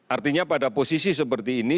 artinya pada posisi seperti ini